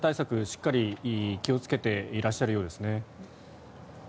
しっかり気をつけていらっしゃるようですね。